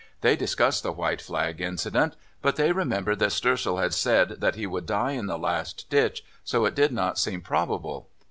They discussed the white flag incident; but they remembered that Stoessel had said that he would die in the last ditch, so it did not seem probable.